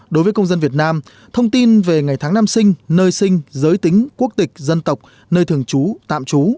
đối với công dân việt nam thông tin về ngày tháng năm sinh nơi sinh giới tính quốc tịch dân tộc nơi thường trú tạm trú